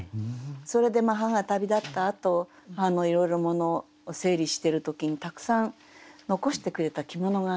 それで母が旅立ったあといろいろ物を整理してる時にたくさん残してくれた着物があったんですね。